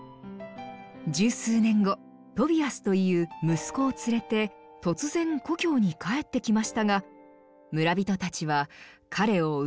十数年後トビアスという息子を連れて突然故郷に帰ってきましたが村人たちは彼を受け入れませんでした